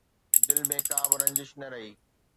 دل ۾ ڪا به رنجش نه رهي